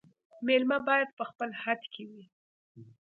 مېلمه باید په خپل حد کي وي